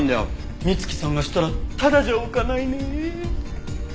美月さんが知ったらただじゃ置かないねえ。